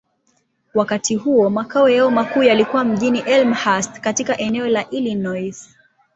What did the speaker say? Wakati huo, makao yao makuu yalikuwa mjini Elmhurst, katika eneo la Illinois.